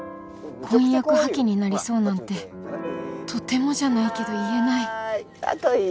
婚約破棄になりそうなんてとてもじゃないけど言えないああかわいい！